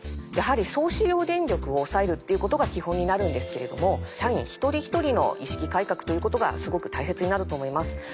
やはり総使用電力を抑えるっていうことが基本になるんですけれども社員一人一人の意識改革ということがすごく大切になると思います。